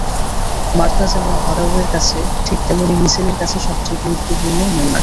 মারতা যেমন ভাদাওয়ের কাছে, ঠিক তেমনি মিচেলের কাছে সবচেয়ে গুরুত্বপূর্ণ নেইমার।